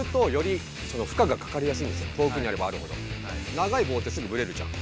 長い棒ってすぐブレるじゃん